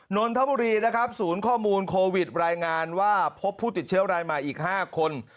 นนทบุรีนะครับศูนย์ข้อมูลโควิดรายงานว่าพบผู้ติดเชื้อรายใหม่อีก๕คน